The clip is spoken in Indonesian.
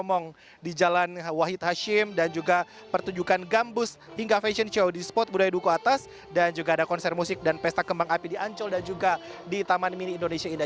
masyarakat juga tidak hanya di bundaran hotel indonesia kemudian juga ada konser musik di jalan wahid hashim dan juga pertunjukan gambus hingga fashion show di spot budaya duku atas dan juga ada konser musik dan pesta kembang api di ancol dan juga di taman mini indonesia indah